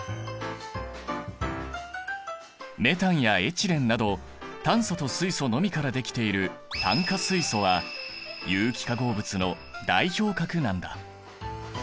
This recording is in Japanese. メタンやエチレンなど炭素と水素のみからできている炭化水素は有機化合物の代表格なんだ。